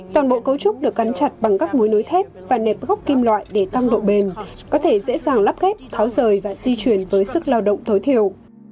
toàn bộ cấu trúc được cắn chặt bằng các mối nối thép và nệp góc kim loại để tăng độ bền có thể dễ dàng lắp ghép tháo rời và di chuyển với sức lao động tối thiểu